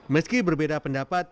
meski berbeda pendapat